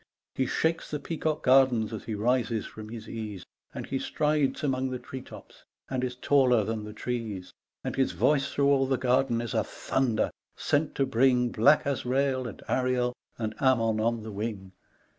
He shakes the peacock gardens as he rises from his ease, And he strides among the tree tops and is taller than the trees, And his voice through all the garden is a thunder sent to bring Black Azrael and Ariel and Ammon on the wing.